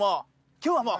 今日はもう。